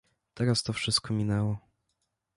Teraz to wszystko minęło…